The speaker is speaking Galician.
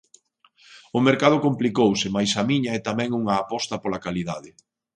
O mercado complicouse mais a miña é tamén unha aposta pola calidade.